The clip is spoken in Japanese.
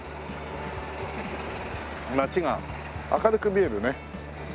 街が明るく見えるね。